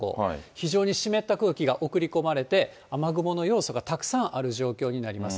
非常に湿った空気が送り込まれて、雨雲の要素がたくさんある状況になります。